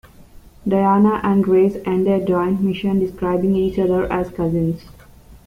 Diana and Grace end their joint mission describing each other as cousins.